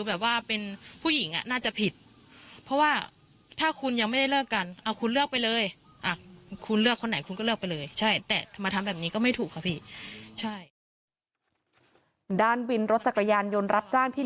ด้านวินรถจักรยานยนต์รับจ้างที่นี่